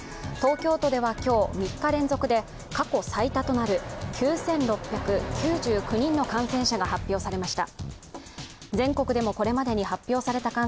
東京都では今日、３日連続で過去最多となる９６９９人の感染者が発表されました。